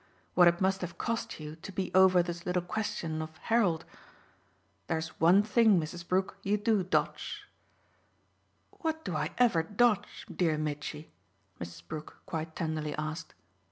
what it must have cost you to be over this little question of Harold. There's one thing, Mrs. Brook, you do dodge." "What do I ever dodge, dear Mitchy?" Mrs. Brook quite tenderly asked.